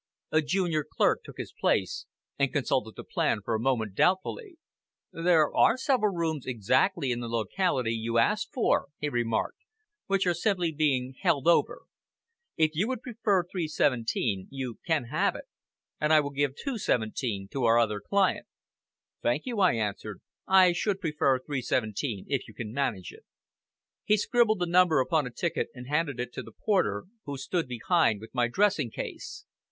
A junior clerk took his place, and consulted the plan for a moment doubtfully. "There are several rooms exactly in the locality you asked for," he remarked, "which are simply being held over. If you would prefer 317, you can have it, and I will give 217 to our other client." "Thank you," I answered, "I should prefer 317 if you can manage it." He scribbled the number upon a ticket and handed it to the porter, who stood behind with my dressing case.